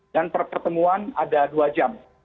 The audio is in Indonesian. dan pertemuan ada dua jam